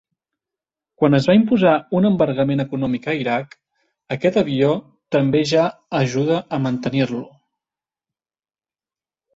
Quan es va imposar un embargament econòmic a Iraq, aquest avió també ja ajudar a mantenir-lo.